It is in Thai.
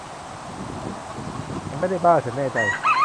ฉันไม่ได้บ้า ฉันแน่ใจ